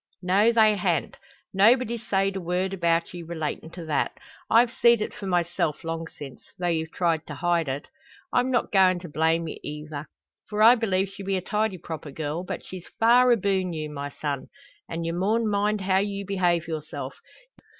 "No, they han't. Nobody's sayed a word about ye relatin' to that. I've seed it for myself, long since, though you've tried hide it. I'm not goin' to blame ye eyther, for I believe she be a tidy proper girl. But she's far aboon you, my son; and ye maun mind how you behave yourself.